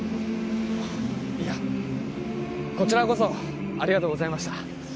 いやこちらこそありがとうございました